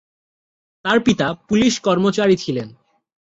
তার পিতা পুলিশ কর্মচারী ছিলেন।